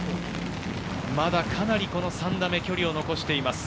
まだかなり、この３打目、距離を残しています。